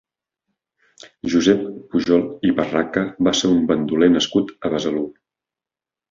Josep Pujol i Barraca va ser un bandoler nascut a Besalú.